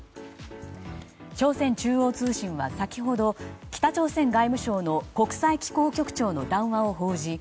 朝鮮中央通信は先ほど北朝鮮外務省の国際機構局長の談話を報じ